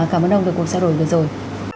cảm ơn ông về cuộc trao đổi vừa rồi